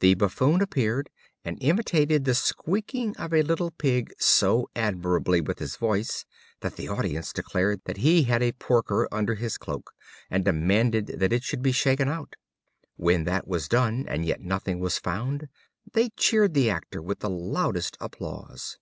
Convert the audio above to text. The Buffoon appeared, and imitated the squeaking of a little pig so admirably with his voice, that the audience declared that he had a porker under his cloak, and demanded that it should be shaken out. When that was done, and yet nothing was found, they cheered the actor, with the loudest applause.